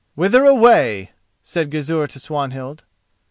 "Whither away?" said Gizur to Swanhild.